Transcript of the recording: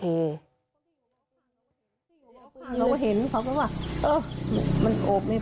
เราก็เห็นเขาก็ว่าเออมันโอบนี่